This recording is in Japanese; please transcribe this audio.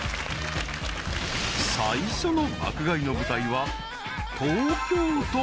［最初の爆買いの舞台は東京都］